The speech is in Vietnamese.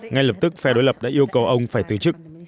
ngay lập tức phe đối lập đã yêu cầu ông phải từ chức